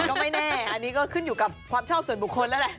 ก็ไม่แน่อันนี้ก็ขึ้นอยู่กับความชอบส่วนบุคคลแล้วแหละ